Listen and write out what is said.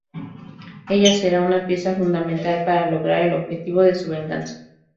Ella será una pieza fundamental para lograr el objetivo de su venganza.